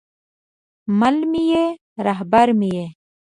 مل مې یې، رهبر مې یې